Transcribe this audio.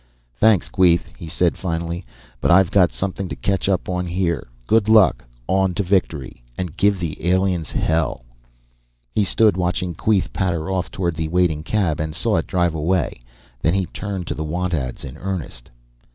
"Thanks, Queeth," he said finally. "But I've got something to catch up on here. Good luck on to victory and give the aliens hell!" He stood watching Queeth patter off toward the waiting cab and saw it drive away. Then he turned to the want ads in earnest.